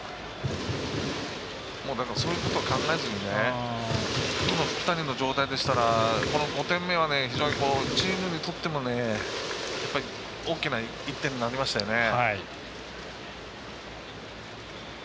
だから、そういうこと考えずに今の福谷の状態でしたら５点目はチームにとっても大きな１点になりましたよね。